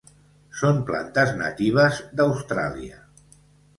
Són plantes natives d'Austràlia.